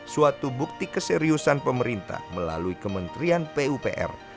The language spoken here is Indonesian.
suatu bukti keseriusan pemerintah melalui kementerian pupr